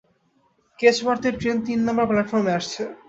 কেচওয়ার্থ এর ট্রেন তিন নাম্বার প্ল্যাটফর্মে আসছে।